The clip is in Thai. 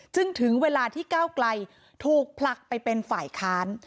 ถึงเวลาที่ก้าวไกลถูกผลักไปเป็นฝ่ายค้าน